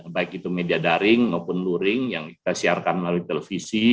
baik itu media daring maupun luring yang kita siarkan melalui televisi